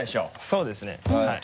そうですねはいだいぶ。